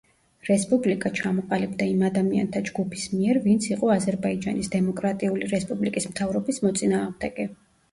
რესპუბლიკა ჩამოყალიბდა იმ ადამიანთა ჯგუფის მიერ ვინც იყო აზერბაიჯანის დემოკრატიული რესპუბლიკის მთავრობის მოწინააღმდეგე.